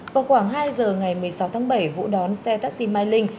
vào khoảng hai giờ ngày một mươi sáu tháng bảy vũ đón xe taxi mai linh